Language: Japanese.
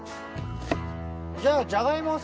じゃあじゃがいもをさ